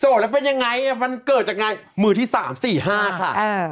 โสดแล้วเป็นยังไงมันเกิดจากไงมือที่สามสี่ห้าค่ะเออ